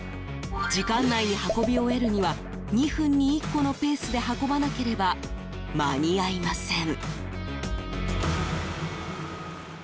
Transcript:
時間内に運び終えるには２分に１個のペースで運ばなければ、間に合いません。